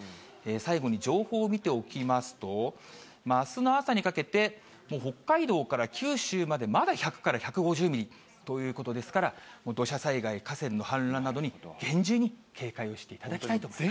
最後に情報を見ておきますと、あすの朝にかけて、もう北海道から九州まで、まだ１００から１５０ミリということですから、土砂災害、河川の氾濫などに厳重に警戒をしていただきたいと思います。